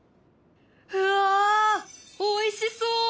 うわおいしそう！